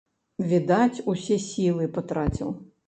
Відаць, усе сілы патраціў.